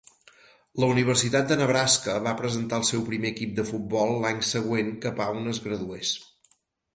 La Universitat de Nebraska va presentar el seu primer equip de futbol l'any següent que Pound es gradués.